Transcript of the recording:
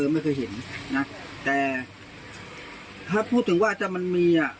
ไม่เคยเห็นนะแต่ถ้าพูดถึงว่าถ้ามันมีอ่ะ